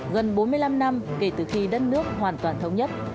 gần bốn mươi năm năm kể từ khi đất nước hoàn toàn thống nhất